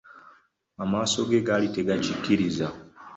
Amaaso ge gaali tegakyikiriza.